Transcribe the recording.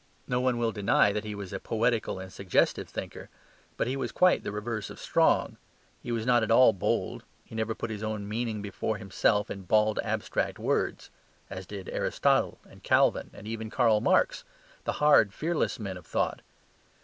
No one will deny that he was a poetical and suggestive thinker; but he was quite the reverse of strong. He was not at all bold. He never put his own meaning before himself in bald abstract words: as did Aristotle and Calvin, and even Karl Marx, the hard, fearless men of thought.